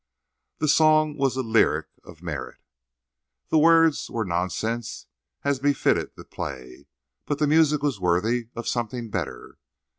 The song was a lyric of merit. The words were nonsense, as befitted the play, but the music was worthy of something better.